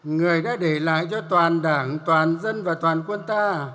người đã để lại cho toàn đảng toàn dân và toàn quân ta